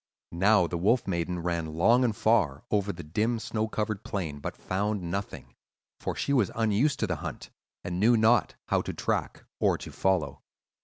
"Now the Wolf Maiden ran long and far over the dim snow covered plain, but found nothing; for she was unused to the hunt, and knew not how to track or to follow.